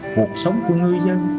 cuộc sống của người dân